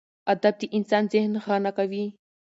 ادب د انسان ذهن غنا کوي.